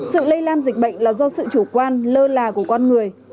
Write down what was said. sự lây lan dịch bệnh là do sự chủ quan lơ là của con người